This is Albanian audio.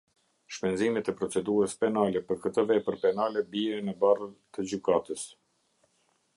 Shpenzimet e procedurës penale për këtë vepër penale bien në barrë të gjykatës.